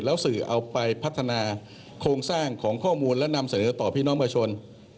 แล้วสื่อเอาไปพัฒนาโครงสร้างของข้อมูลและนำเสนอต่อพี่น้องประชาชน